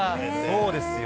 そうですよ。